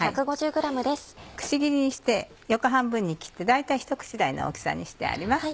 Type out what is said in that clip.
くし切りにして横半分に切って大体ひと口大の大きさにしてあります。